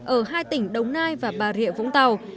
ở hai tỉnh đồng nai và bà rịa vũng tàu